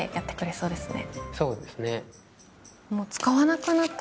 そうですね。